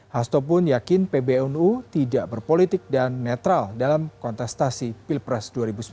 hasto pun yakin pbnu tidak berpolitik dan netral dalam kontestasi pilpres dua ribu sembilan belas